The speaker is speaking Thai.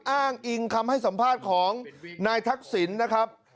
อ้างอิงคำให้สัมภาษณ์ของนายทักษิณนะครับ